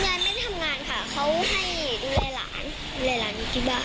งานไม่ได้ทำงานค่ะเขาให้ดูแลหลานดูแลหลานอยู่ที่บ้าน